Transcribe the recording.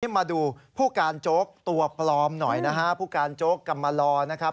มาดูผู้การโจ๊กตัวปลอมหน่อยนะฮะผู้การโจ๊กกำมาลอนะครับ